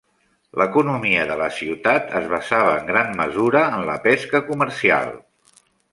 L'economia de la ciutat es basava en gran mesura en la pesca comercial.